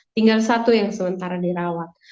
tinggal satu yang sementara dirawat